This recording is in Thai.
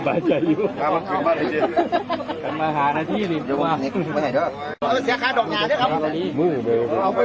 พร้อมแก้มมีจะได้ไว้สิ